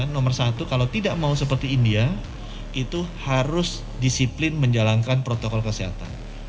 nomor satu kalau tidak mau seperti india itu harus disiplin menjalankan protokol kesehatan